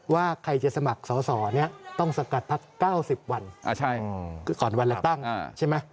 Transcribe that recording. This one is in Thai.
ว่าใครจะสมัครสอสอเนี่ยต้องสกัดพัก๙๐วันก่อนวันเลือกตั้งใช่ไหม